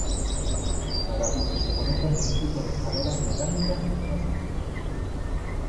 Cada piso se conecta entre sí por escaleras mecánicas y dos ascensores.